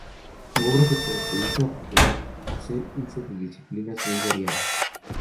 Su obra se caracteriza por hacer uso de disciplinas muy variadas.